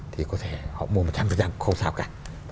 thì có thể họ mua một trăm linh không sao cả